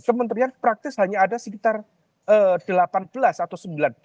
kementerian praktis hanya ada sekitar delapan belas atau sembilan belas